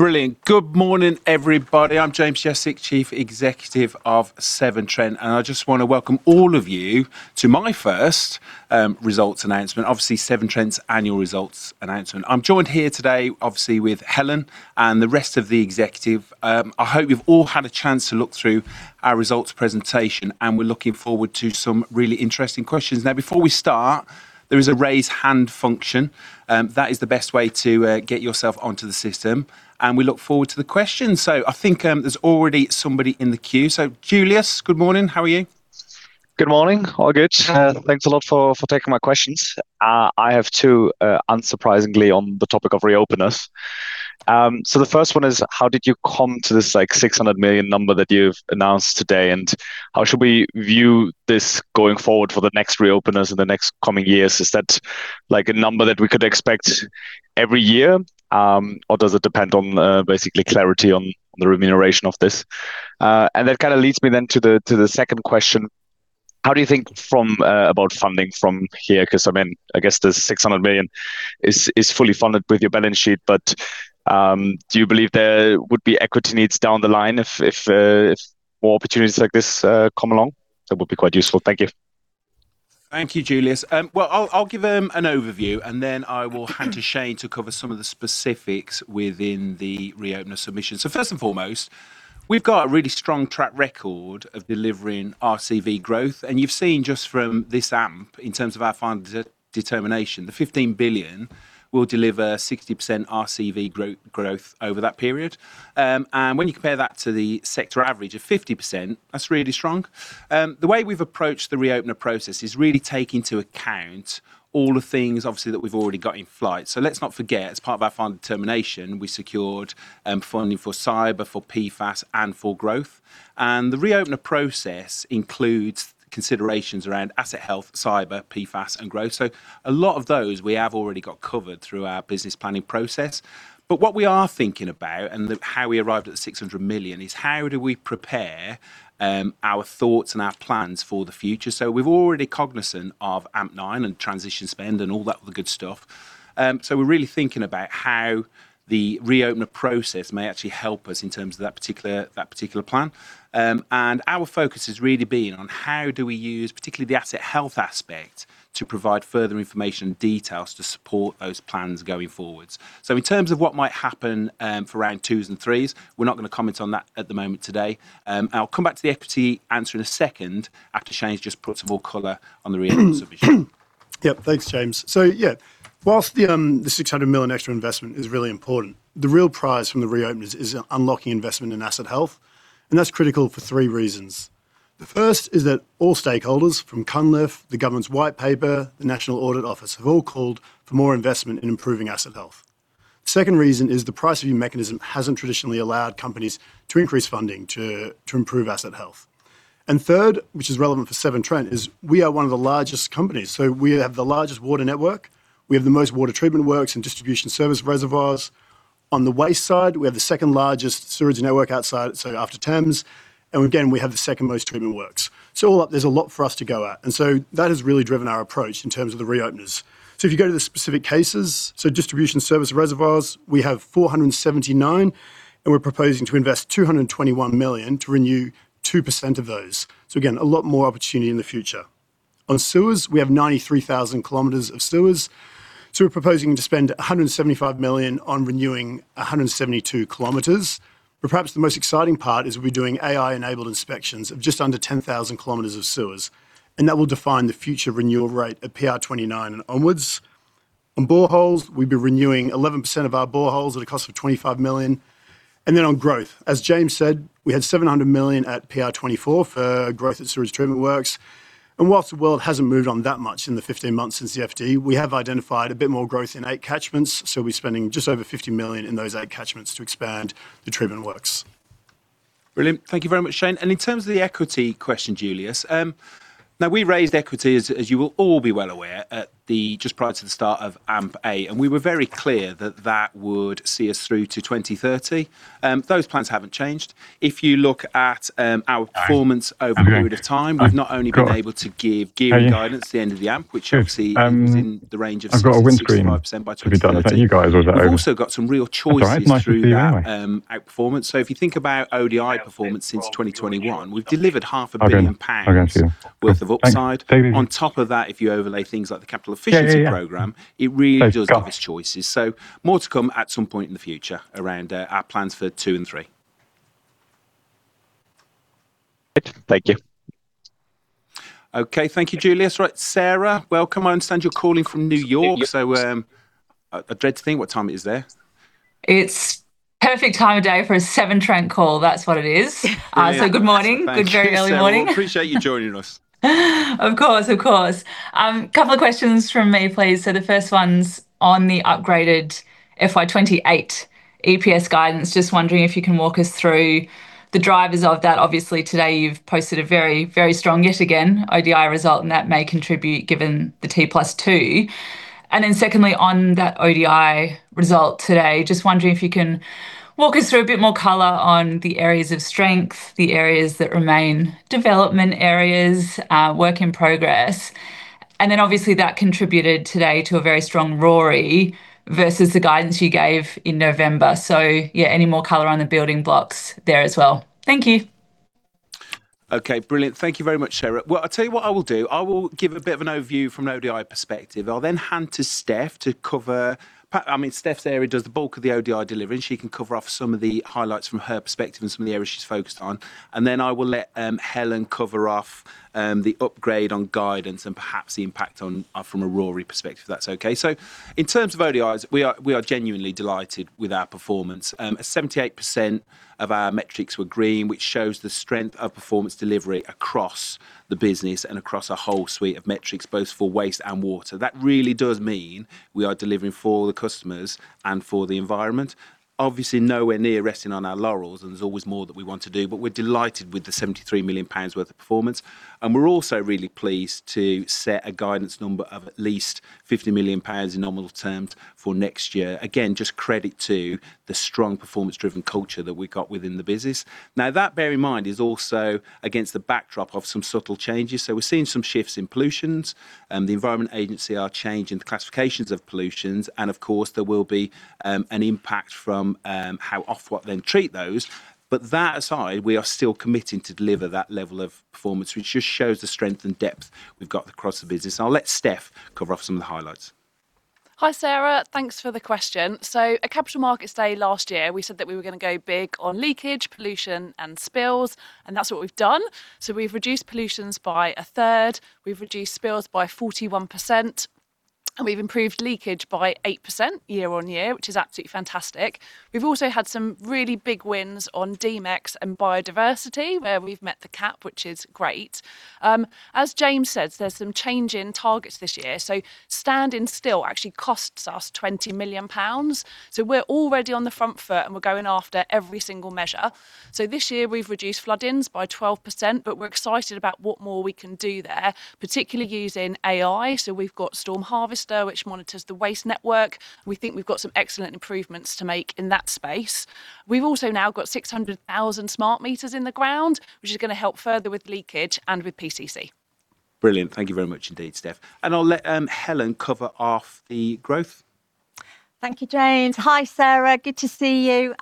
Brilliant. Good morning, everybody. I'm James Jesic, Chief Executive of Severn Trent. I just want to welcome all of you to my first results announcement, obviously Severn Trent's annual results announcement. I'm joined here today, obviously, with Helen and the rest of the executive. I hope you've all had a chance to look through our results presentation, and we're looking forward to some really interesting questions. Before we start, there is a raise hand function. That is the best way to get yourself onto the system. We look forward to the questions. I think there's already somebody in the queue. Julius, good morning. How are you? Good morning. All good. Thanks a lot for taking my questions. I have two, unsurprisingly, on the topic of reopeners. The first one is, how did you come to this, like, 600 million number that you've announced today? How should we view this going forward for the next reopeners in the next coming years? Is that, like, a number that we could expect every year? Does it depend on basically clarity on the remuneration of this? That kind of leads me then to the second question. How do you think about funding from here? I mean, I guess the 600 million is fully funded with your balance sheet. Do you believe there would be equity needs down the line if more opportunities like this come along? That would be quite useful. Thank you. Thank you, Julius. Well, I'll give an overview, and then I will hand to Shane to cover some of the specifics within the RIIO re-opener submission. First and foremost, we've got a really strong track record of delivering RCV growth, and you've seen just from this AMP in terms of our final determination, the 15 billion will deliver 60% RCV growth over that period. When you compare that to the sector average of 50%, that's really strong. The way we've approached the re-opener process is really taking into account all the things obviously that we've already got in flight. Let's not forget, as part of our final determination, we secured funding for cyber, for PFAS, and for growth. The re-opener process includes considerations around asset health, cyber, PFAS, and growth. A lot of those we have already got covered through our business planning process. What we are thinking about, and how we arrived at the 600 million, is how do we prepare our thoughts and our plans for the future? We've already cognizant of AMP9 and transition spend and all that other good stuff. We're really thinking about how the Reopener process may actually help us in terms of that particular, that particular plan, and our focus has really been on how do we use particularly the asset health aspect to provide further information and details to support those plans going forwards. In terms of what might happen for round 2s and 3s, we're not going to comment on that at the moment today. I'll come back to the equity answer in a second after Shane's just put some more color on the Reopener submission. Yep, thanks James. Yeah, whilst the 600 million extra investment is really important, the real prize from the reopening is unlocking investment in asset health, and that's critical for three reasons. The first is that all stakeholders from Jon Cunliffe, the government's white paper, the National Audit Office have all called for more investment in improving asset health. Second reason is the price review mechanism hasn't traditionally allowed companies to increase funding to improve asset health. Third, which is relevant for Severn Trent, is we are one of the largest companies. We have the largest water network, we have the most water treatment works and distribution service reservoirs. On the waste side, we have the second largest sewage network outside, after Thames Water, and again we have the second most treatment works. All up, there's a lot for us to go at. That has really driven our approach in terms of the reopeners. If you go to the specific cases, distribution service reservoirs, we have 479 and we're proposing to invest 221 million to renew 2% of those. Again, a lot more opportunity in the future. On sewers, we have 93,000 km of sewers, we're proposing to spend 175 million on renewing 172 kilometers. Perhaps the most exciting part is we'll be doing AI-enabled inspections of just under 10,000 km of sewers, and that will define the future renewal rate at PR29 and onwards. On boreholes, we'd be renewing 11% of our boreholes at a cost of 25 million. On growth, as James said, we had 700 million at PR24 for growth at sewage treatment works. Whilst the world hasn't moved on that much in the 15 months since the FD, we have identified a bit more growth in 8 catchments. We're spending just over 50 million in those 8 catchments to expand the treatment works. Brilliant. Thank you very much, Shane. In terms of the equity question, Julius, now we raised equity, as you will all be well aware, just prior to the start of AMP8, and we were very clear that that would see us through to 2030. Those plans haven't changed. If you look at our performance over a period of time, we've not only been able to give gearing guidance at the end of the AMP, which obviously was in the range of 65% by 2025. I've got a windscreen to be done. Is that you guys or is that ODI? We've also got some real choices through that outperformance. If you think about ODI performance since 2021, we've delivered half a billion pounds worth of upside. On top of that, if you overlay things like the capital efficiency program, it really does give us choices. More to come at some point in the future around our plans for 2 and 3. Thank you. Okay, thank you, Julius. Right, [Sarah], welcome. I understand you're calling from New York, I dread to think what time it is there. It's perfect time of day for a Severn Trent call, that's what it is. good morning, good very early morning. Appreciate you joining us. Of course, of course. A couple of questions from me, please. The first one's on the upgraded FY 2028 EPS guidance. Just wondering if you can walk us through the drivers of that. Obviously today you've posted a very strong yet again ODI result and that may contribute given the T+2. Secondly, on that ODI result today, just wondering if you can walk us through a bit more color on the areas of strength, the areas that remain development areas, work in progress. Obviously that contributed today to a very strong ROE versus the guidance you gave in November. Any more color on the building blocks there as well? Thank you. Okay, brilliant. Thank you very much, Shara. I'll tell you what I will do. I will give a bit of an overview from an ODI perspective. I'll then hand to Steph to cover, I mean, Steph's area does the bulk of the ODI delivery and she can cover off some of the highlights from her perspective and some of the areas she's focused on. Then I will let Helen cover off the upgrade on guidance and perhaps the impact from a RoRE perspective, if that's okay. In terms of ODIs, we are genuinely delighted with our performance. 78% of our metrics were green, which shows the strength of performance delivery across the business and across a whole suite of metrics, both for waste and water. That really does mean we are delivering for the customers and for the environment. Obviously nowhere near resting on our laurels, and there's always more that we want to do, but we're delighted with the 73 million pounds worth performance. We're also really pleased to set a guidance number of at least 50 million pounds in nominal terms for next year. Again, just credit to the strong performance-driven culture that we've got within the business. Now that, bear in mind, is also against the backdrop of some subtle changes. We're seeing some shifts in pollutions, and the Environment Agency are changing the classifications of pollutions, and of course there will be an impact from how Ofwat then treat those. That aside, we are still committing to deliver that level of performance, which just shows the strength and depth we've got across the business. I'll let Steph cover off some of the highlights. Hi Sarah, thanks for the question. At Capital Markets Day last year, we said that we were going to go big on leakage, pollution, and spills, and that's what we've done. We've reduced pollutions by a third, we've reduced spills by 41%, and we've improved leakage by 8% year-on-year, which is absolutely fantastic. We've also had some really big wins on D-MEx and biodiversity, we've met the cap, which is great. As James said, there's some change in targets this year, standing still actually costs us 20 million pounds. We're already on the front foot and we're going after every single measure. This year we've reduced floodings by 12%, we're excited about what more we can do there, particularly using AI. We've got StormHarvester, which monitors the waste network. We think we've got some excellent improvements to make in that space. We've also now got 600,000 smart meters in the ground, which is going to help further with leakage and with PCC. Brilliant, thank you very much indeed, Steph. I'll let Helen cover off the growth. Thank you, James. Hi, Sarah, good to see you.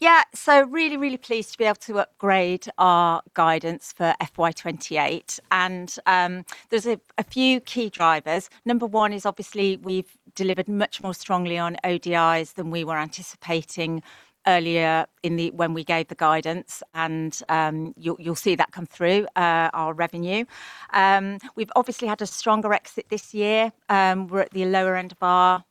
Really, really pleased to be able to upgrade our guidance for FY 2028, and there's a few key drivers. Number one is obviously we've delivered much more strongly on ODIs than we were anticipating earlier when we gave the guidance. You'll see that come through our revenue. We've obviously had a stronger exit this year. We're at the lower end of our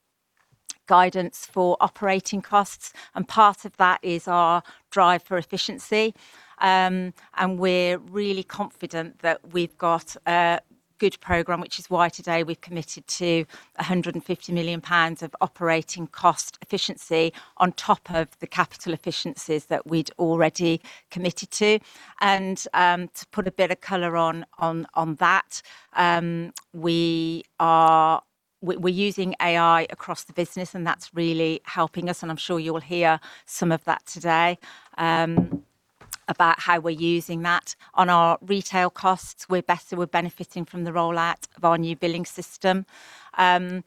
guidance for operating costs, and part of that is our drive for efficiency. We're really confident that we've got a good program, which is why today we've committed to 150 million pounds of operating cost efficiency on top of the capital efficiencies that we'd already committed to. To put a bit of color on that, we are using AI across the business and that's really helping us. I'm sure you'll hear some of that today about how we're using that. On our retail costs, we're benefiting from the rollout of our new billing system. We're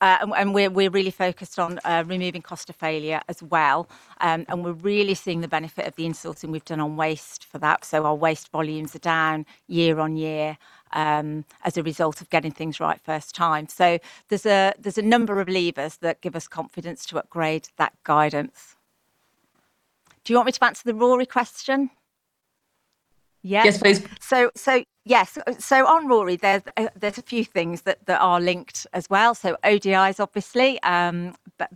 really focused on removing cost of failure as well. We're really seeing the benefit of the consulting we've done on waste for that. Our waste volumes are down year-over-year as a result of getting things right first time. There's a number of levers that give us confidence to upgrade that guidance. Do you want me to answer the RoRE question? Yes, please. On RoRE, there's a few things that are linked as well. ODIs, obviously.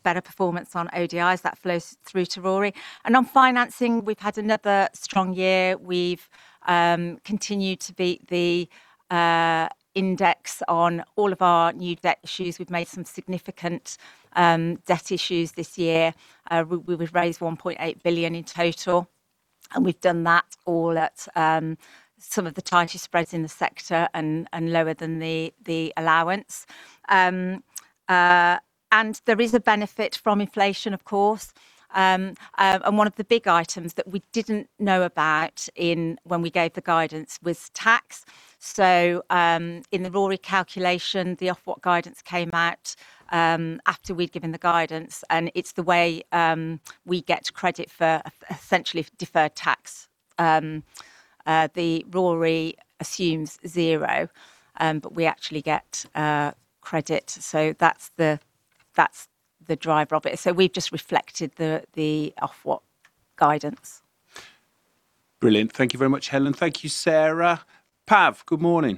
Better performance on ODIs, that flows through to RoRE. On financing, we've had another strong year. We've continued to beat the index on all of our new debt issues. We've made some significant debt issues this year. We've raised 1.8 billion in total. We've done that all at some of the tightest spreads in the sector and lower than the allowance. There is a benefit from inflation, of course, and one of the big items that we didn't know about in when we gave the guidance was tax. In the RoRE calculation, the Ofwat guidance came out after we'd given the guidance. It's the way we get credit for essentially deferred tax. The RoRE assumes zero. We actually get credit. That's the driver of it. We've just reflected the Ofwat guidance. Brilliant. Thank you very much, Helen. Thank you, Sarah. [Pav], good morning.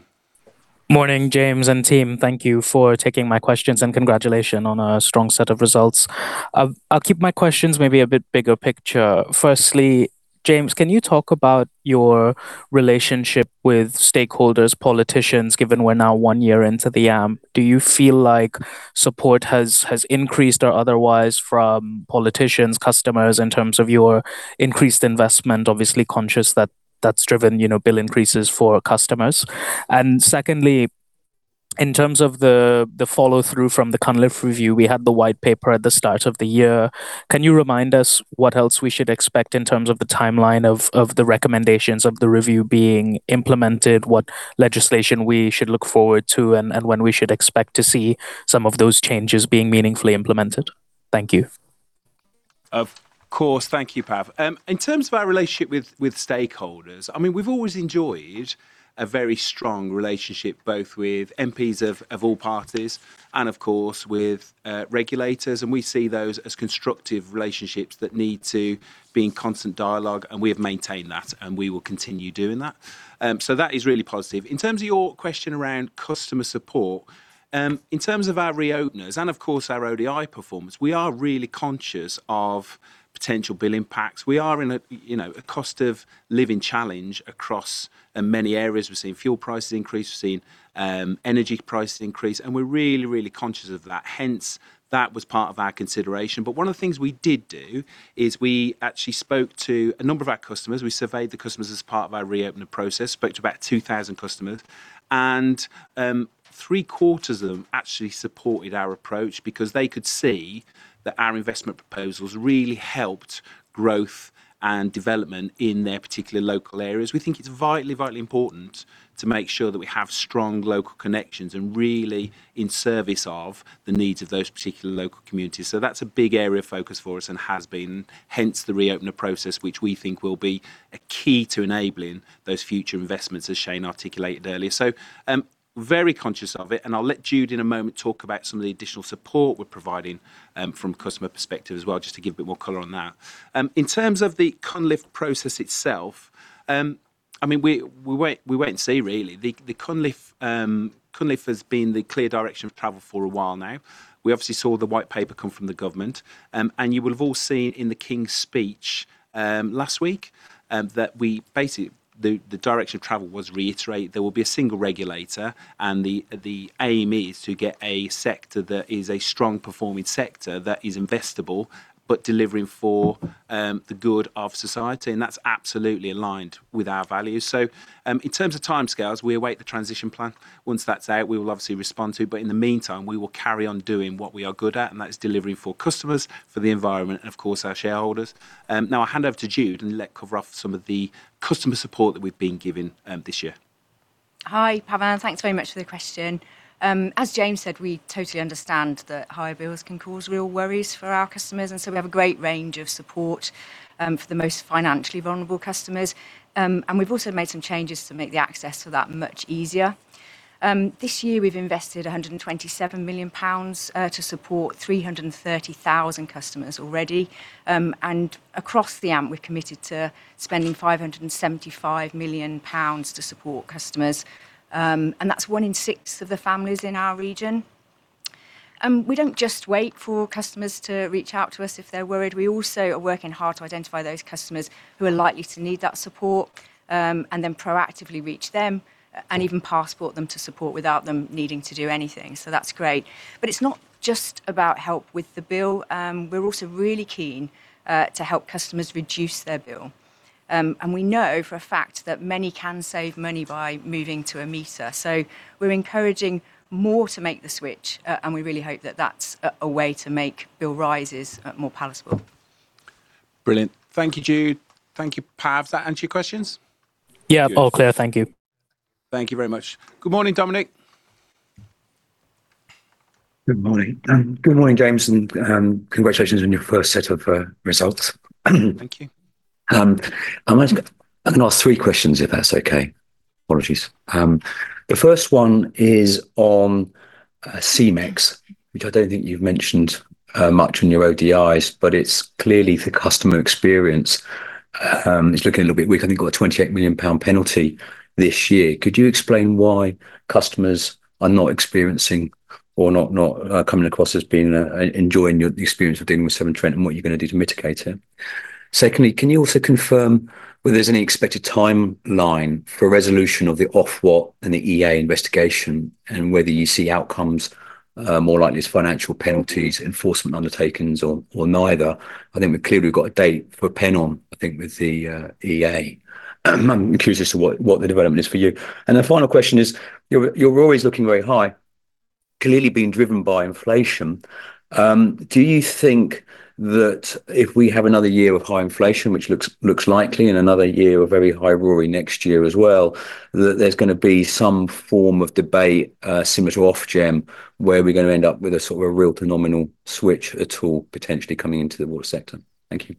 Morning, James and team. Thank you for taking my questions and congratulations on a strong set of results. I'll keep my questions maybe a bit bigger picture. Firstly, James, can you talk about your relationship with stakeholders, politicians, given we're now 1 year into the AMP? Do you feel like support has increased or otherwise from politicians, customers in terms of your increased investment, obviously conscious that that's driven bill increases for customers? Secondly, in terms of the follow-through from the Cunliffe review, we had the white paper at the start of the year. Can you remind us what else we should expect in terms of the timeline of the recommendations the review being implemented, what legislation we should look forward to, and when we should expect to see some of those changes being meaningfully implemented. Thank you. Of course, thank you, Pav. In terms of our relationship with stakeholders, I mean, we've always enjoyed a very strong relationship both with MPs of all parties and of course with regulators, and we see those as constructive relationships that need to being constant dialogue, and we have maintained that and we will continue doing that. That is really positive. In terms of your question around customer support, in terms of our reopeners and of course our ODI performance, we are really conscious of potential bill impacts. We are in a, you know, a cost of living challenge across many areas. We've seen fuel prices increase, we've seen energy prices increase, and we're really, really conscious of that. That was part of our consideration. One of the things we did do is we actually spoke to a number of our customers. We surveyed the customers as part of our reopening process, spoke to about 2,000 customers, and three-quarters of them actually supported our approach because they could see that our investment proposals really helped growth and development in their particular local areas. We think it's vitally important to make sure that we have strong local connections and really in service of the needs of those particular local communities. That's a big area of focus for us and has been, hence the Reopener process, which we think will be a key to enabling those future investments, as Shane articulated earlier. Very conscious of it, and I'll let Jude in a moment talk about some of the additional support we're providing from a customer perspective as well, just to give a bit more color on that. In terms of the Cunliffe process itself, We wait and see really. The Cunliffe has been the clear direction of travel for a while now. We obviously saw the white paper come from the government, and you would have all seen in the King's Speech last week that we basically the direction of travel was reiterated. There will be a single regulator, the aim is to get a sector that is a strong performing sector that is investable but delivering for the good of society, and that's absolutely aligned with our values. In terms of timescales, we await the transition plan. Once that's out, we will obviously respond to it. In the meantime, we will carry on doing what we are good at, and that is delivering for customers, for the environment, and of course our shareholders. I'll hand over to Jude and let her cover off some of the customer support that we've been giving this year. Hi, [Pav], thanks very much for the question. As James said, we totally understand that higher bills can cause real worries for our customers. We have a great range of support for the most financially vulnerable customers. We've also made some changes to make the access to that much easier. This year we've invested 127 million pounds to support 330,000 customers already. Across the AMP we're committed to spending 575 million pounds to support customers. That's 1 in 6 of the families in our region. We don't just wait for customers to reach out to us if they're worried. We also are working hard to identify those customers who are likely to need that support and then proactively reach them and even passport them to support without them needing to do anything. That's great. It's not just about help with the bill. We're also really keen to help customers reduce their bill. We know for a fact that many can save money by moving to a meter. We're encouraging more to make the switch, and we really hope that that's a way to make bill rises more palatable. Brilliant. Thank you, Jude. Thank you, Pav. Does that answer your questions? Yeah, all clear. Thank you. Thank you very much. Good morning, [Dominic]. Good morning. Good morning, James, and congratulations on your first set of results. Thank you. I'm going to ask three questions if that's okay. Apologies. The first one is on C-MEx, which I don't think you've mentioned much in your ODIs, but it's clearly the customer experience is looking a little bit weak. I think you've got a 28 million pound penalty this year. Could you explain why customers are not experiencing or not coming across as enjoying the experience of dealing with Severn Trent and what you're going to do to mitigate it? Secondly, can you also confirm whether there's any expected timeline for resolution of the Ofwat and the EA investigation, and whether you see outcomes more likely as financial penalties, enforcement undertakings, or neither? I think we've clearly got a date for a Pennon, I think, with the EA. I'm curious as to what the development is for you. The final question is, you're always looking very high, clearly being driven by inflation. Do you think that if we have another year of high inflation, which looks likely, and another year of very high ROE next year as well, that there's going to be some form of debate similar to Ofgem where we're going to end up with the sort of a real phenomenal switch at all potentially coming into the water sector? Thank you.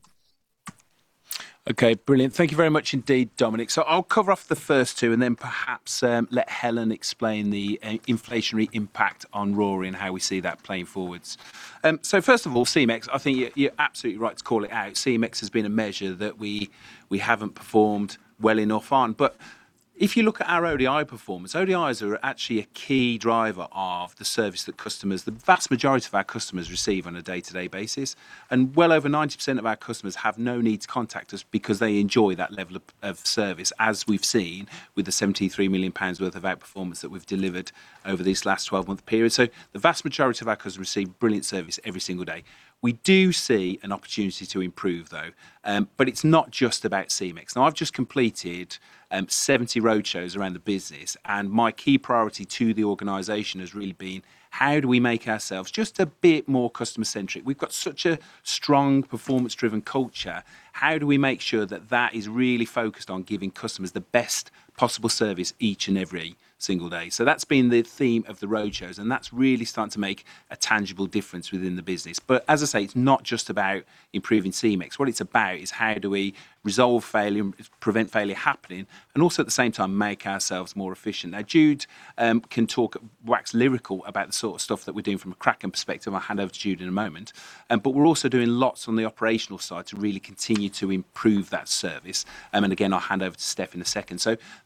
Okay, brilliant. Thank you very much indeed, Dominic. I'll cover off the first 2 and then perhaps let Helen explain the inflationary impact on RoRE and how we see that playing forwards. First of all, C-MEx, I think you're absolutely right to call it out. C-MEx has been a measure that we haven't performed well enough on. If you look at our ODI performance, ODIs are actually a key driver of the service that customers, the vast majority of our customers, receive on a day-to-day basis. Well over 90% of our customers have no need to contact us because they enjoy that level of service, as we've seen with the 73 million pounds worth of outperformance that we've delivered over this last 12-month period. The vast majority of our customers receive brilliant service every single day. We do see an opportunity to improve though. It's not just about C-MEx. I've just completed 70 roadshows around the business, and my key priority to the organization has really been how do we make ourselves just a bit more customer-centric. We've got such a strong performance-driven culture. How do we make sure that that is really focused on giving customers the best possible service each and every single day? That's been the theme of the roadshows and that's really starting to make a tangible difference within the business. As I say, it's not just about improving C-MEx. What it's about is how do we resolve failure, prevent failure happening, and also at the same time make ourselves more efficient. Jude can talk, wax lyrical about the sort of stuff that we're doing from a Kraken perspective. I'll hand over to Jude in a moment. We're also doing lots on the operational side to really continue to improve that service. Again, I'll hand over to Steph in a second.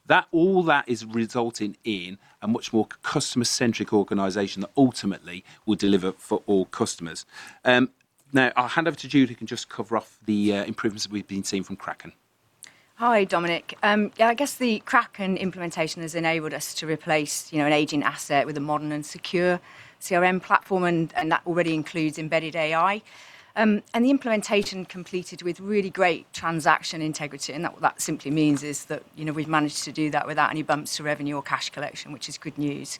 That all that is resulting in a much more customer-centric organization that ultimately will deliver for all customers. I'll hand over to Jude who can just cover off the improvements we've been seeing from Kraken. Hi Dominic. Yeah, I guess the Kraken implementation has enabled us to replace, you know, an aging asset with a modern and secure CRM platform. That already includes embedded AI. The implementation completed with really great transaction integrity. That simply means is that, you know, we've managed to do that without any bumps to revenue or cash collection, which is good news.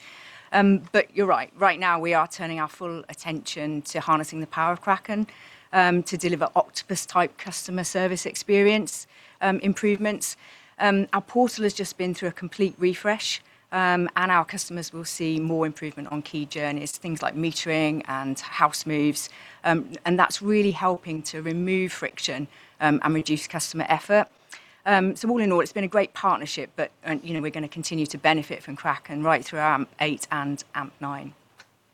You're right now we are turning our full attention to harnessing the power of Kraken to deliver Octopus-type customer service experience improvements. Our portal has just been through a complete refresh. Our customers will see more improvement on key journeys, things like metering and house moves. That's really helping to remove friction and reduce customer effort. All in all, it's been a great partnership, but you know, we're going to continue to benefit from Kraken right through AMP 8 and AMP 9.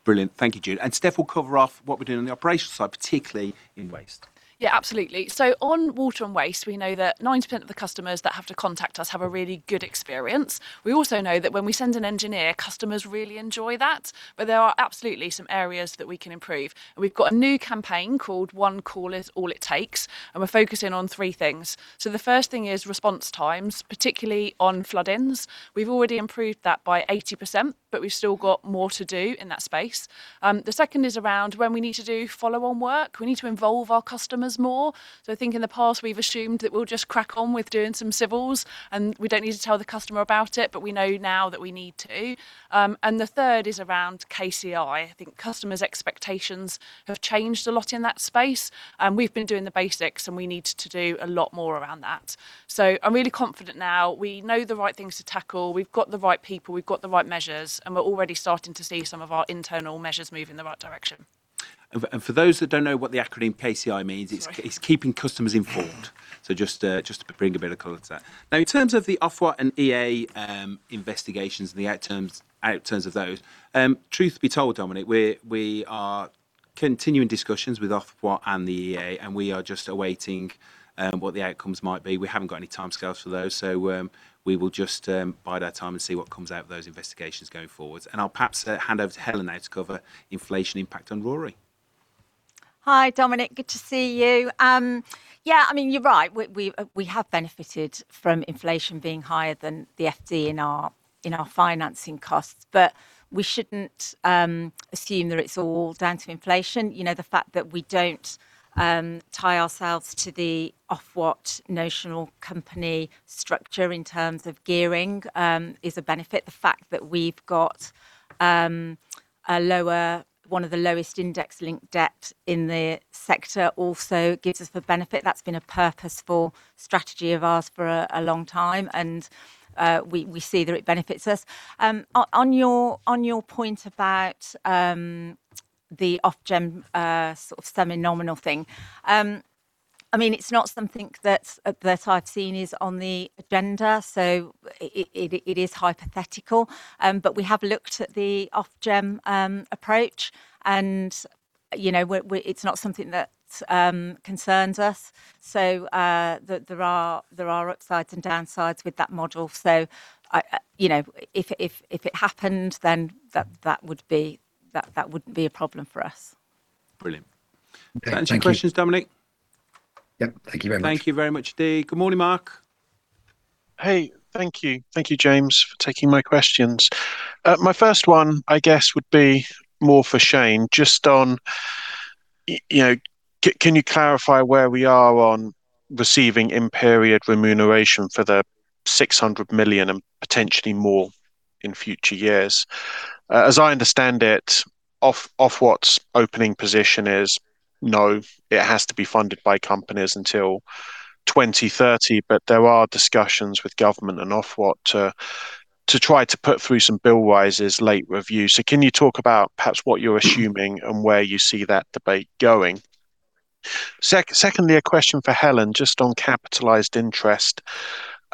Brilliant. Thank you, Jude. Steph will cover off what we're doing on the operational side, particularly in waste. Absolutely. On water and waste, we know that 90% of the customers that have to contact us have a really good experience. We also know that when we send an engineer, customers really enjoy that, but there are absolutely some areas that we can improve. We've got a new campaign called One Call Is All It Takes, and we're focusing on three things. The first thing is response times, particularly on floodings. We've already improved that by 80%, but we've still got more to do in that space. The second is around when we need to do follow-on work, we need to involve our customers more. I think in the past we've assumed that we'll just crack on with doing some civils and we don't need to tell the customer about it, but we know now that we need to. The third is around KCI. I think customers' expectations have changed a lot in that space, and we've been doing the basics and we need to do a lot more around that. I'm really confident now we know the right things to tackle. We've got the right people, we've got the right measures, and we're already starting to see some of our internal measures move in the right direction. For those that don't know what the acronym KCI means, it's keeping customers informed. Just to bring a bit of color to that. In terms of the Ofwat and EA investigations and the outcomes of those, truth be told, Dominic, we are continuing discussions with Ofwat and the EA, and we are just awaiting what the outcomes might be. We haven't got any timescales for those, so we will just bide our time and see what comes out of those investigations going forwards. I'll perhaps hand over to Helen now to cover inflation impact on RoRE. Hi, Dominic, good to see you. Yeah, I mean, you're right, we have benefited from inflation being higher than the FTSE in our financing costs, but we shouldn't assume that it's all down to inflation. You know, the fact that we don't tie ourselves to the Ofwat notional company structure in terms of gearing is a benefit. The fact that we've got one of the lowest index-linked debt in the sector also gives us the benefit. That's been a purposeful strategy of ours for a long time, and we see that it benefits us. On your point about the Ofgem sort of semi-nominal thing, I mean, it's not something that I've seen is on the agenda, so it is hypothetical, but we have looked at the Ofgem approach, and, you know, it's not something that concerns us. There are upsides and downsides with that model. You know, if it happened, then that wouldn't be a problem for us. Brilliant. Any questions, Dominic? Thank you very much, [Dee]. Good morning, [Mark]. Thank you. Thank you, James, for taking my questions. My first one, I guess, would be more for Shane, just on, you know, can you clarify where we are on receiving in-period remuneration for the 600 million and potentially more in future years? As I understand it, Ofwat's opening position is no, it has to be funded by companies until 2030, but there are discussions with government and Ofwat to try to put through some bill rises late review. Can you talk about perhaps what you're assuming and where you see that debate going? Secondly, a question for Helen just on capitalized interest.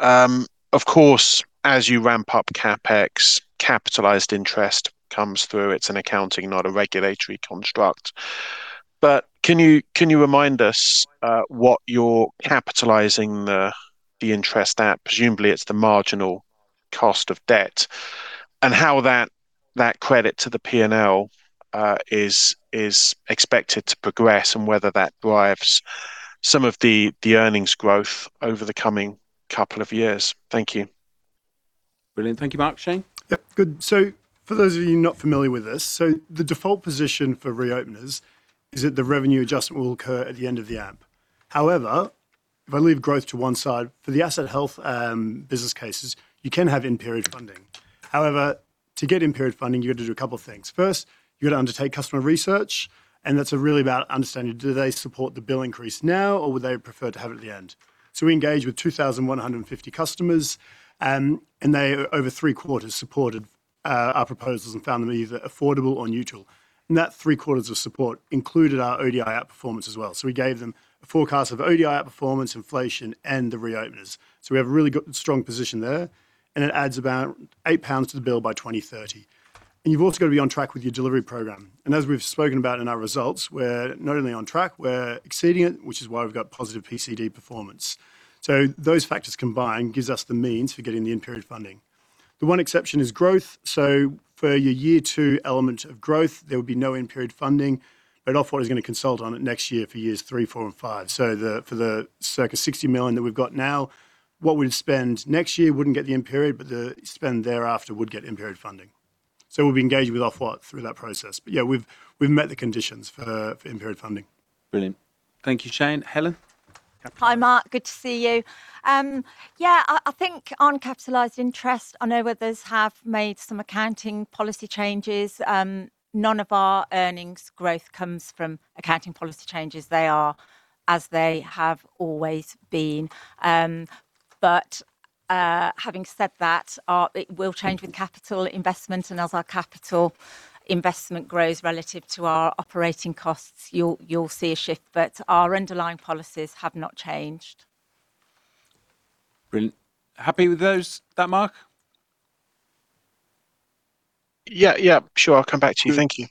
Of course, as you ramp up CapEx, capitalized interest comes through. It's an accounting, not a regulatory construct. Can you remind us what you're capitalizing the interest at? Presumably, it's the marginal cost of debt. How that credit to the P&L is expected to progress and whether that drives some of the earnings growth over the coming couple of years? Thank you. Brilliant, thank you, Mark. Shane? Good. For those of you not familiar with this, the default position for reopeners is that the revenue adjustment will occur at the end of the AMP. If I leave growth to one side, for the asset health business cases, you can have in-period funding. To get in-period funding, you've got to do a couple of things. First, you've got to undertake customer research, that's really about understanding, do they support the bill increase now, or would they prefer to have it at the end. We engaged with 2,150 customers and they, over three-quarters, supported our proposals and found them either affordable or neutral. That three-quarters of support included our ODI outperformance as well. We gave them a forecast of ODI outperformance, inflation, and the reopeners. We have a really good strong position there and it adds about 8 pounds to the bill by 2030. You've also got to be on track with your delivery program. As we've spoken about in our results, we're not only on track, we're exceeding it, which is why we've got positive PCD performance. Those factors combined gives us the means for getting the in-period funding. The one exception is growth. For your year 2 element of growth, there would be no in-period funding, but Ofwat is going to consult on it next year for years 3, 4, and 5. For the circa 60 million that we've got now, what we'd spend next year wouldn't get the in-period, but the spend thereafter would get in-period funding. We'll be engaged with Ofwat through that process. Yeah, we've met the conditions for in-period funding. Brilliant, thank you, Shane. Helen? Hi, Mark, good to see you. I think on capitalized interest, I know others have made some accounting policy changes. None of our earnings growth comes from accounting policy changes. They are as they have always been. Having said that, it will change with capital investment, and as our capital investment grows relative to our operating costs, you'll see a shift. Our underlying policies have not changed. Brilliant. Happy with those, Mark? Yeah, sure, I'll come back to you. Thank you.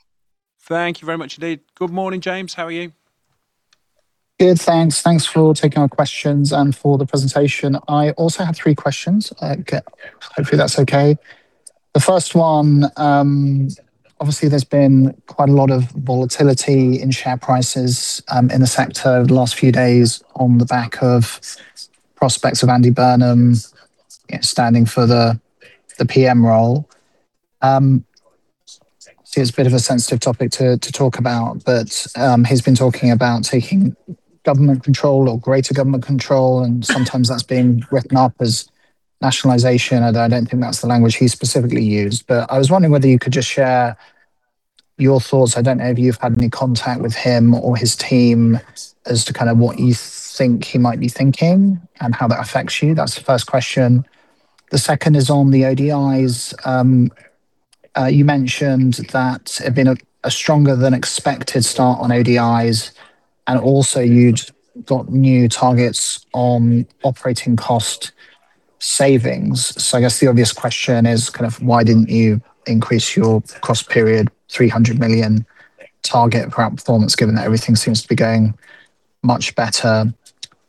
Thank you very much indeed. Good morning, James. How are you? Good, thanks. Thanks for taking our questions and for the presentation. I also have three questions. Okay. Hopefully that's okay. The first one, obviously there's been quite a lot of volatility in share prices in the sector over the last few days on the back of prospects of Andy Burnham standing for the PM role. It's a bit of a sensitive topic to talk about, but he's been talking about taking government control or greater government control, and sometimes that's been written up as nationalization, although I don't think that's the language he specifically used. I was wondering whether you could just share your thoughts. I don't know if you've had any contact with him or his team as to kind of what you think he might be thinking and how that affects you. That's the first question. The second is on the ODIs. You mentioned that it had been a stronger than expected start on ODIs, and also you'd got new targets on operating cost savings. I guess the obvious question is kind of why didn't you increase your cross-period 300 million target for outperformance, given that everything seems to be going much better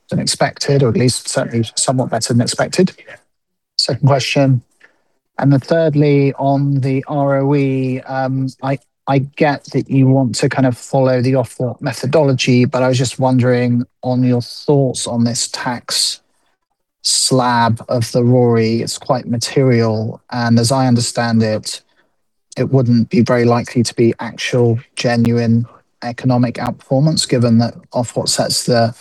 than expected, or at least certainly somewhat better than expected? Second question. Thirdly, on the ROE, I get that you want to kind of follow the Ofwat methodology, but I was just wondering on your thoughts on this tax slab of the RoRE. It's quite material. As I understand it wouldn't be very likely to be actual genuine economic outperformance, given that Ofwat sets the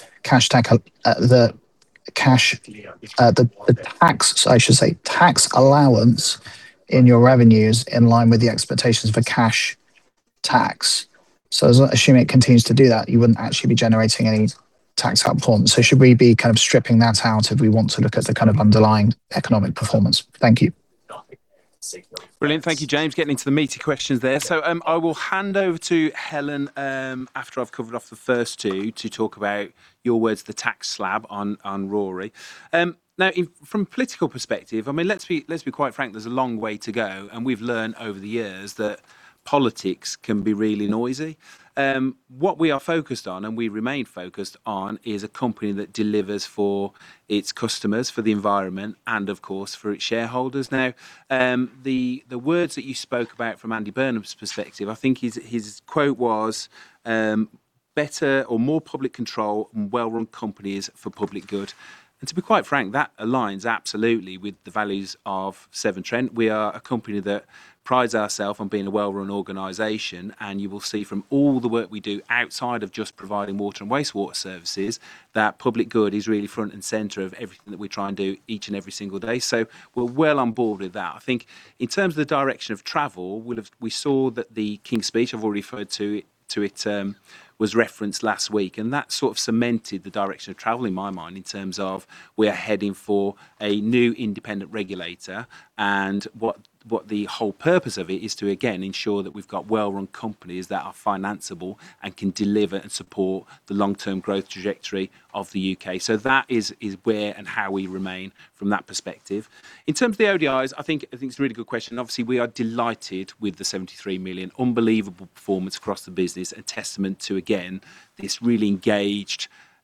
tax allowance in your revenues in line with the expectations for cash tax. Assuming it continues to do that, you wouldn't actually be generating any tax outperformance. Should we be kind of stripping that out if we want to look at the kind of underlying economic performance? Thank you. Brilliant, thank you, James, getting into the meaty questions there. I will hand over to Helen after I've covered off the first two to talk about your words, the tax slab on RoRE. From a political perspective, I mean, let's be quite frank, there's a long way to go, and we've learned over the years that politics can be really noisy. What we are focused on and we remain focused on is a company that delivers for its customers, for the environment, and of course for its shareholders. The words that you spoke about from Andy Burnham's perspective, I think his quote was, better or more public control and well-run companies for public good. To be quite frank, that aligns absolutely with the values of Severn Trent, we are a company that prides ourselves on being a well-run organization, and you will see from all the work we do outside of just providing water and wastewater services that public good is really front and center of everything that we try and do each and every single day. We're well on board with that. I think in terms of the direction of travel, we saw that the King's Speech, I've already referred to it, was referenced last week, and that sort of cemented the direction of travel in my mind. In terms of we are heading for a new independent regulator and what the whole purpose of it is to again ensure that we've got well-run companies that are financeable and can deliver and support the long-term growth trajectory of the U.K. That is where and how we remain from that perspective. In terms of the ODIs, I think it's a really good question. Obviously we are delighted with the 73 million, unbelievable performance across the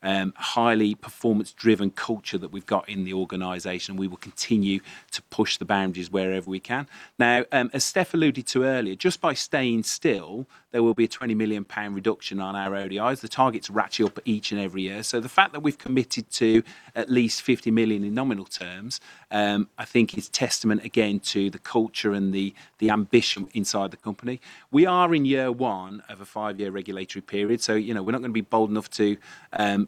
business, a testament to again this really engaged, highly performance-driven culture that we've got in the organization. We will continue to push the boundaries wherever we can. As Steph alluded to earlier, just by staying still, there will be a 20 million pound reduction on our ODIs. The targets ratchet up each and every year, so the fact that we've committed to at least 50 million in nominal terms, I think, is testament again to the culture and the ambition inside company. We are in year one of a five year regulatory period, you know, we're not going to be bold enough to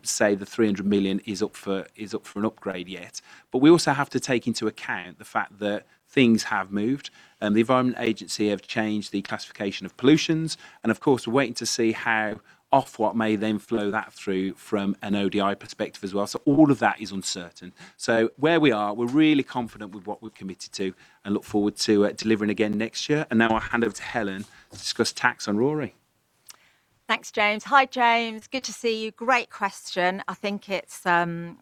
say the 300 million is up for an upgrade yet. We also have to take into account the fact that things have moved and the Environment Agency have changed the classification of pollutions, and of course we're waiting to see how Ofwat may then flow that through from an ODI perspective as well. All of that is uncertain. Where we are, we're really confident with what we've committed to and look forward to delivering again next year. Now I'll hand over to Helen to discuss tax on RoRE. Thanks, James. Hi, James, good to see you. Great question. I think it's, I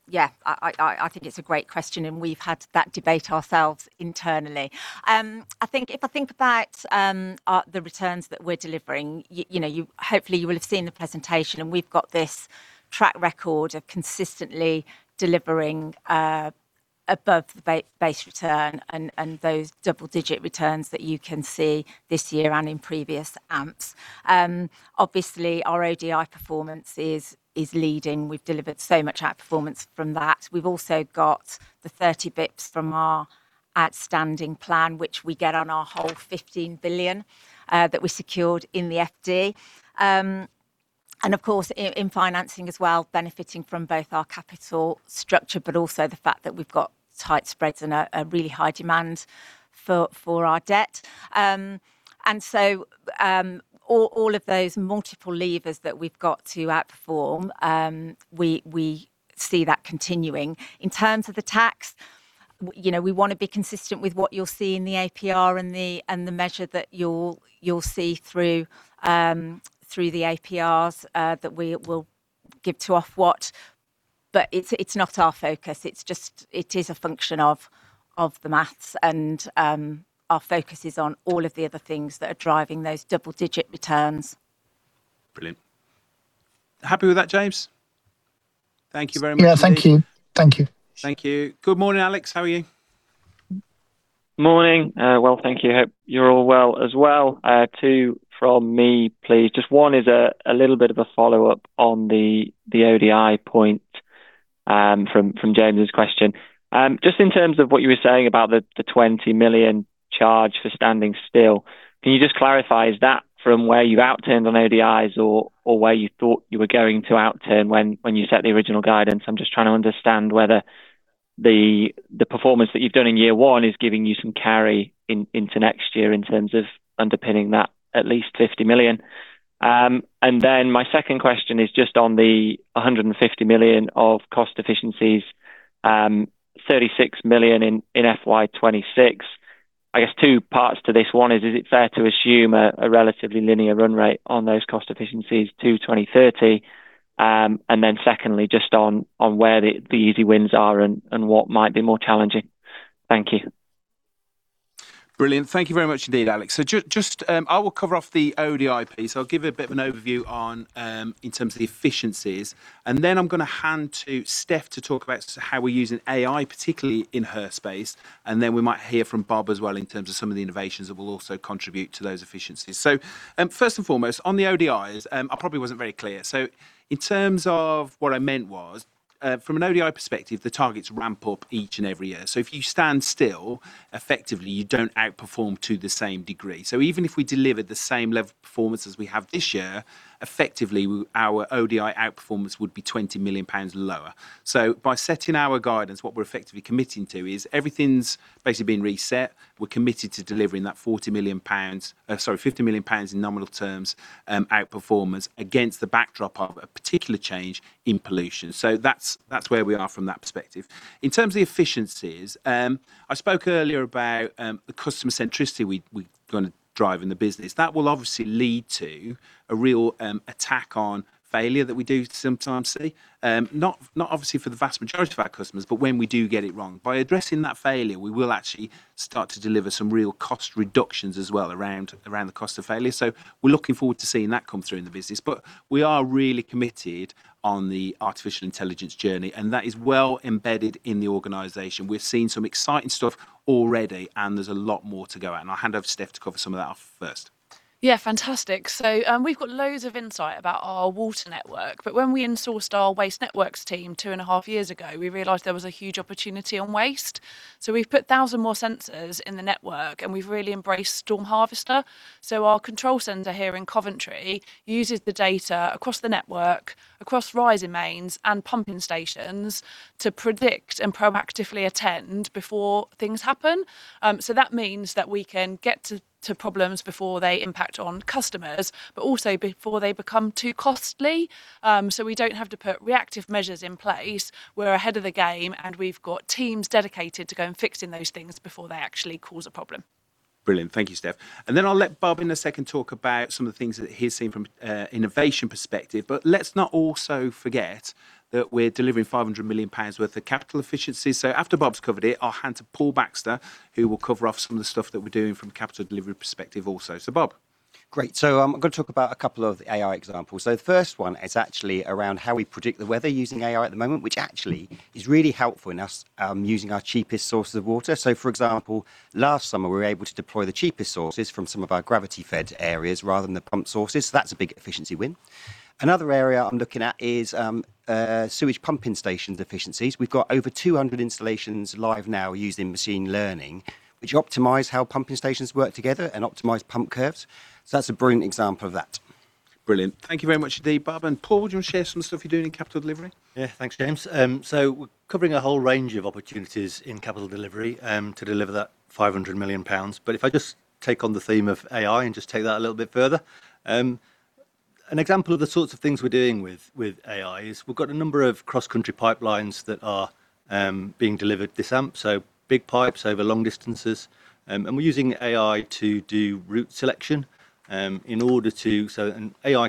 think it's a great question and we've had that debate ourselves internally. I think if I think about the returns that we're delivering, you know, you hopefully will have seen the presentation and we've got this track record of constantly delivering above the base return and those double-digit returns that you can see this year and in previous AMPs. Obviously, our ODI performance is leading. We've delivered so much outperformance from that. We've also got the 30 basis points from our outstanding plan, which we get on our whole 15 billion that we secured in the FD. Of course, in financing as well, benefiting from both our capital structure but also the fact that we've got tight spreads and a really high demand for our debt. All of those multiple levers that we've got to outperform, we see that continuing. In terms of the tax, you know, we want to be consistent with what you'll see in the APR and the measure that you'll see through the APRs that we will give to Ofwat. It's not our focus. It is a function of the math, and our focus is on all of the other things that are driving those double-digit returns. Brilliant. Happy with that, James? Thank you very much. Yeah, thank you. Thank you. Thank you. Good morning, [Alex]. How are you? Morning. Well, thank you. Hope you're all well as well. Two from me, please. Just 1 is a little bit of a follow-up on the ODI point from James's question. Just in terms of what you were saying about the 20 million charge for standing still, can you just clarify, is that from where you outturned on ODIs or where you thought you were going to outturn when you set the original guidance? I'm just trying to understand whether the performance that you've done in year one is giving you some carry into next year in terms of underpinning that at least 50 million? My second question is just on the 150 million of cost efficiencies, 36 million in FY 2026. I guess two parts to this. One is it fair to assume a relatively linear run rate on those cost efficiencies to 2030? Then secondly, just on where the easy wins are and what might be more challenging. Thank you. Brilliant. Thank you very much indeed, Alex. Just, I will cover off the ODI piece. I'll give a bit of an overview on in terms of the efficiencies, and then I'm going to hand to Steph to talk about how we're using AI, particularly in her space. Then we might hear from Bob as well in terms of some of the innovations that will also contribute to those efficiencies. First and foremost, on the ODIs, I probably wasn't very clear. In terms of what I meant was, from an ODI perspective, the targets ramp up each and every year. If you stand still, effectively you don't outperform to the same degree. Even if we delivered the same level of performance as we have this year, effectively our ODI outperformance would be 20 million pounds lower. By setting our guidance, what we're effectively committing to is everything's basically been reset. We're committed to delivering that 40 million pounds, sorry, 50 million pounds in nominal terms outperformance against the backdrop of a particular change in pollution. That's where we are from that perspective. In terms of the efficiencies, I spoke earlier about the customer centricity we're going to drive in the business. That will obviously lead to a real attack on failure that we do sometimes see, not obviously for the vast majority of our customers, but when we do get it wrong, by addressing that failure, we will actually start to deliver some real cost reductions as well around the cost of failure. We're looking forward to seeing that come through in the business. We are really committed on the artificial intelligence journey and that is well embedded in the organization. We've seen some exciting stuff already and there's a lot more to go. I'll hand over to Steph to cover some of that off first. Yeah, fantastic. We've got loads of insight about our water network, but when we insourced our waste network team 2.5 years ago, we realized there was a huge opportunity on waste. We've put 1,000 more sensors in the network and we've really embraced Storm Harvester. Our control center here in Coventry uses the data across the network, across rising mains and pumping stations to predict and proactively attend before things happen. That means that we can get to problems before they impact on customers, but also before they become too costly. We don't have to put reactive measures in place. We're ahead of the game and we've got teams dedicated to go and fixing those things before they actually cause a problem. Brilliant. Thank you, Steph. I'll let Bob in a second talk about some of the things that he's seen from innovation perspective. Let's not also forget that we're delivering 500 million pounds worth of capital efficiency. After Bob's covered it, I'll hand to Paul Baxter, who will cover off some of the stuff that we're doing from capital delivery perspective also. Bob. Great. I'm going to talk about two AI examples. The first one is actually around how we predict the weather using AI at the moment, which actually is really helpful in us using our cheapest sources of water. For example, last summer we were able to deploy the cheapest sources from some of our gravity-fed areas rather than the pump sources. That's a big efficiency win. Another area I'm looking at is sewage pumping station efficiencies. We've got over 200 installations live now using machine learning which optimize how pumping stations work together and optimize pump curves. That's a brilliant example of that. Brilliant. Thank you very much indeed, Bob. Paul, would you share some stuff you're doing in capital delivery? Yeah, thanks, James. We're covering a whole range of opportunities in capital delivery to deliver that 500 million pounds. If I just take on the theme of AI and just take that a little bit further, an example of the sorts of things we're doing with AI is we've got a number of cross-country pipelines that are being delivered this AMP. Big pipes over long distances, and we're using AI to do route selection. AI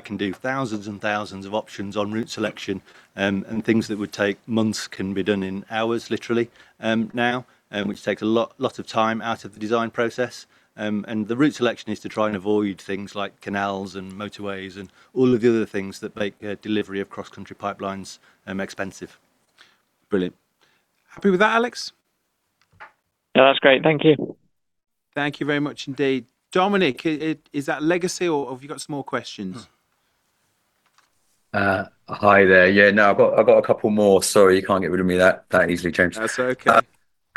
can do thousands and thousands of options on route selection, and things that would take months can be done in hours literally now, which takes a lot of time out of the design process. The route selection is to try and avoid things like canals and motorways and all of the other things that make delivery of cross-country pipelines expensive. Brilliant. Happy with that, Alex? Yeah, that's great. Thank you. Thank you very much indeed. Dominic, is that legacy, or have you got some more questions? Hi there. Yeah, no, I've got a couple more. Sorry, you can't get rid of me that easily, James. That's okay.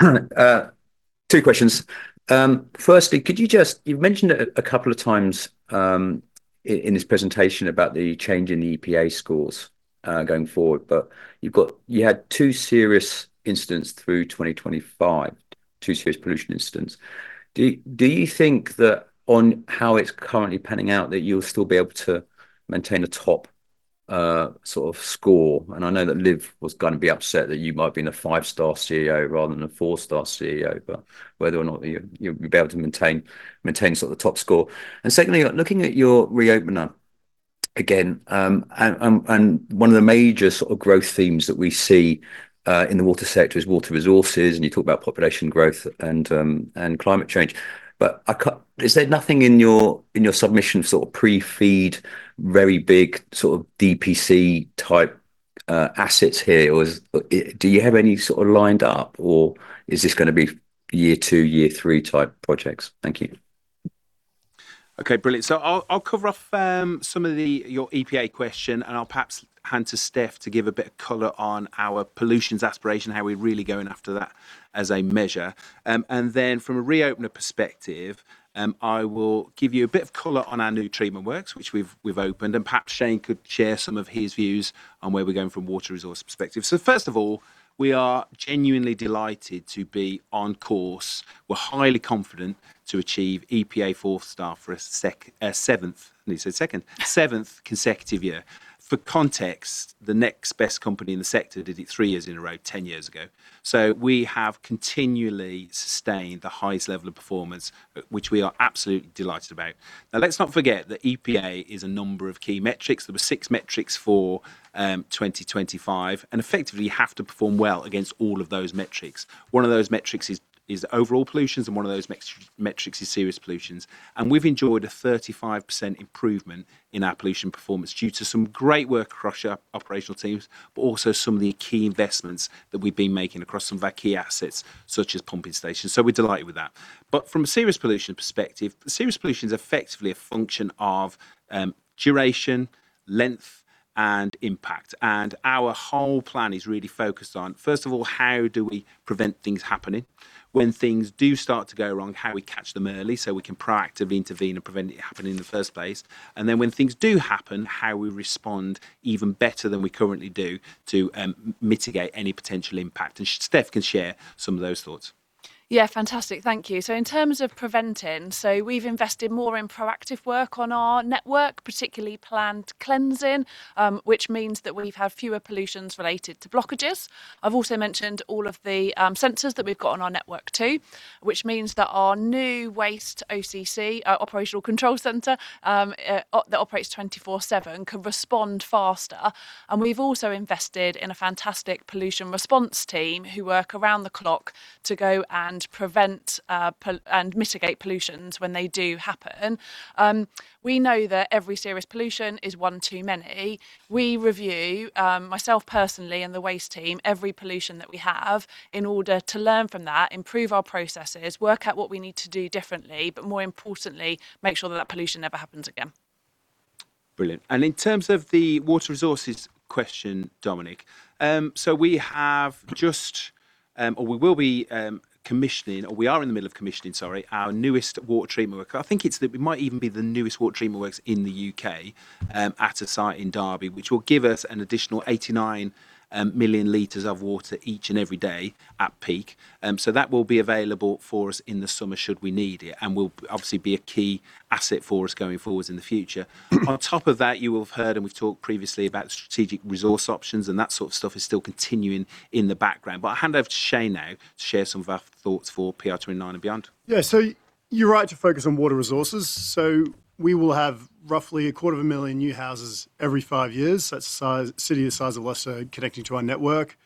2 questions. Firstly, you've mentioned it a couple of times, in this presentation about the change in the EPA scores going forward. You had two serious incidents through 2025, two serious pollution incidents. Do you think that on how it's currently panning out that you'll still be able to maintain a top sort of score? I know that Liv was going to be upset that you might have been a five star CEO rather than a four star CEO, but whether or not you'll be able to maintain sort of the top score. Secondly, looking at your Re-opener again, and one of the major sort of growth themes that we see in the water sector is water resources. You talk about population growth and climate change, but is there nothing in your, in your submission sort of pre-FEEDvery big sort of DPC-type assets here? Do you have any sort of lined up, or is this going to be year two, year three type projects? Thank you. Brilliant. I'll cover off some of your EPA question, and I'll perhaps hand to Steph to give a bit of color on our pollutions aspiration, how we're really going after that as a measure. Then from a reopening perspective, I will give you a bit of color on our new treatment works, which we've opened, and perhaps Shane could share some of his views on where we're going from a water resource perspective. First of all, we are genuinely delighted to be on course. We're highly confident to achieve EPA 4-star for a 7th consecutive year. For context, the next best company in the sector did it three years in a row 10 years ago. We have continually sustained the highest level of performance, which we are absolutely delighted about. Now let's not forget that EPA is a number of key metrics that there were six metrics for 2025, and effectively you have to perform well against all of those metrics. One of those metrics is overall pollutions, and one of those metrics is serious pollutions. We've enjoyed a 35% improvement in our pollution performance due to some great work across our operational teams, but also some of the key investments that we've been making across some of our key assets such as pumping stations. We're delighted with that. From a serious pollution perspective, serious pollution is effectively a function of duration, length, and impact. Our whole plan is really focused on, first of all, how do we prevent things happening? When things do start to go wrong, how we catch them early so we can proactively intervene and prevent it happening in the first place. When things do happen, how we respond even better than we currently do to mitigate any potential impact. Steph can share some of those thoughts. Yeah, fantastic, thank you. In terms of preventing, we've invested more in proactive work on our network, particularly planned cleansing, which means that we've had fewer pollutions related to blockages. I've also mentioned all of the sensors that we've got on our network too, which means that our new Waste OCC, our Operational Control Centre, that operates 24/7, can respond faster. We've also invested in a fantastic Pollution Response Team who work around the clock to go and prevent and mitigate pollutions when they do happen. We know that every serious pollution is one too many. We review, myself personally and the waste team, every pollution that we have in order to learn from that, improve our processes, work out what we need to do differently, but more importantly, make sure that pollution never happens again. Brilliant. In terms of the water resources. Good question, Dominic. We have just, or we will be commissioning, or we are in the middle of commissioning, sorry, our newest water treatment work. I think it's that it might even be the newest water treatment works in the U.K. at a site in Derby, which will give us an additional 89 million L of water each and every day at peak. That will be available for us in the summer should we need it and will obviously be a key asset for us going moving forwards in the future. On top of that, you will have heard, and we've talked previously about strategic resource options, and that sort of stuff is still continuing in the background. I'll hand over to Shane now to share some of our thoughts for PR29 and beyond. You're right to focus on water resources. We will have roughly a quarter of a million new houses every five years. That's a city the size of Leicester connecting to our network.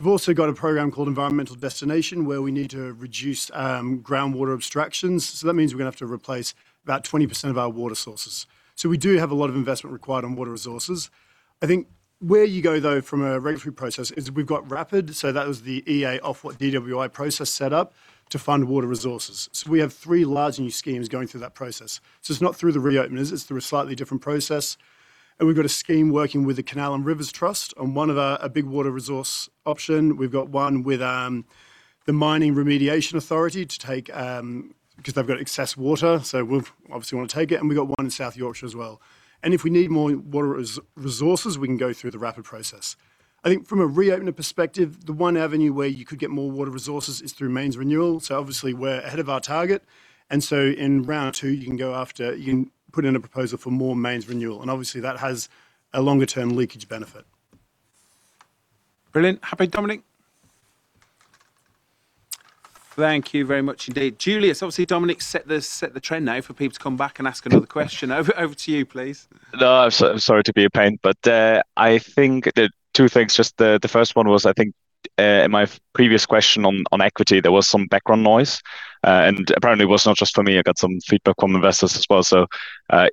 We've also got a program called Environmental Destination where we need to reduce groundwater abstractions, so that means we're going to have to replace about 20% of our water sources. We do have a lot of investment required on water resources. I think where you go though from a regulatory process is we've got RAPID, so that was the EA Ofwat DWI process set up to fund water resources. We have three large new schemes going through that process, so it's not through the reopeners, it's through a slightly different process. We've got a scheme working with the Canal & River Trust on one of our, a big water resource option. We've got one with the Mining Remediation Authority to take, because they've got excess water, so we'll obviously want to take it. We've got one in South Yorkshire as well. If we need more water resources, we can go through the [RAPID] process. I think from a reopening perspective, the one avenue where you could get more water resources is through mains renewal. Obviously we're ahead of our target, in round two you can put in a proposal for more mains renewal. Obviously that has a longer-term leakage benefit. Brilliant. Happy, Dominic? Thank you very much indeed. Julius, obviously Dominic set the trend now for people to come back and ask another question. Over to you, please. No, I'm sorry to be a pain, I think two things. Just the first one was, I think, in my previous question on equity, there was some background noise. Apparently, it was not just for me. I got some feedback from investors as well.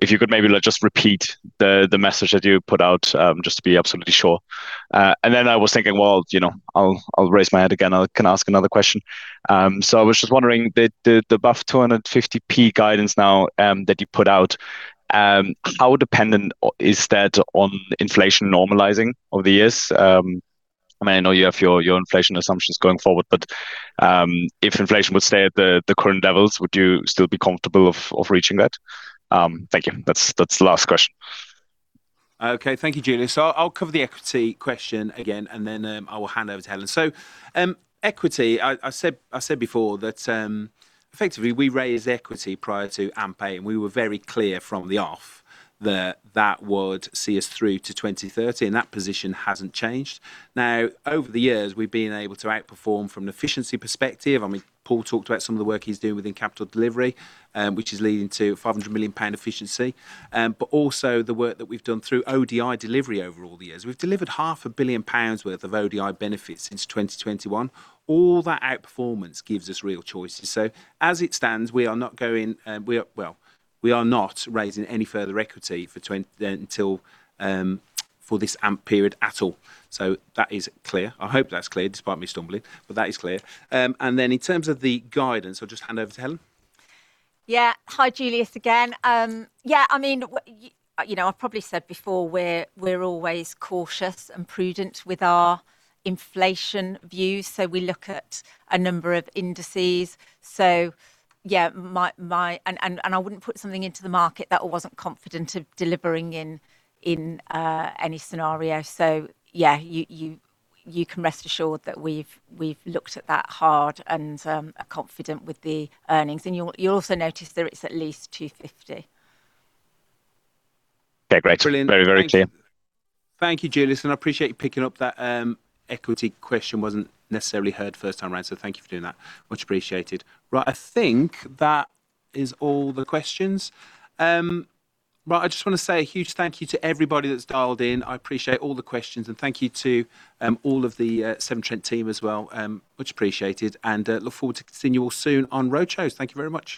If you could maybe just repeat the message that you put out, just to be absolutely sure. I was thinking, well, you know, I'll raise my hand again. I can ask another question. I was just wondering, the above 2.50 guidance now that you put out, how dependent is that on inflation normalizing over the years? I mean, I know you have your inflation assumptions going forward, if inflation would stay at the current levels, would you still be comfortable of reaching that? Thank you. That's the last question. Okay, thank you, Julius. I'll cover the equity question again and then I will hand over to Helen. Equity, I said before that effectively we raised equity prior to AMP8 and we were very clear from the off that that would see us through to 2030 and that position hasn't changed. Over the years we've been able to outperform from an efficiency perspective. Paul talked about some of the work he's doing within capital delivery, which is leading to 500 million pound efficiency, but also the work that we've done through ODI delivery over all the years. We've delivered 500 million pounds worth of ODI benefits since 2021. All that outperformance gives us real choices. As it stands, we are not raising any further equity for this AMP period at all. That is clear. I hope that's clear despite me stumbling, that is clear. Then in terms of the guidance, I'll just hand over to Helen. Hi Julius again. I've probably said before, we're always cautious and prudent with our inflation views. We look at a number of indices. I wouldn't put something into the market that I wasn't confident of delivering in any scenario. You can rest assured that we've looked at that hard and are confident with the earnings. You'll also notice there it's at least 2.50. Okay, great. Brilliant. Very, very clear. Thank you, Julius. I appreciate you picking up that equity question wasn't necessarily heard first time round, so thank you for doing that. Much appreciated. Right, I think that is all the questions. Right, I just want to say a huge thank you to everybody that's dialed in. I appreciate all the questions, and thank you to all of the Severn Trent team as well. Much appreciated, and look forward to seeing you all soon on roadshows. Thank you very much.